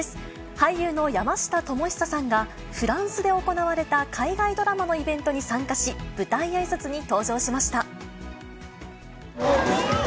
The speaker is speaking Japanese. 俳優の山下智久さんが、フランスで行われた海外ドラマのイベントに参加し、舞台あいさつに登場しました。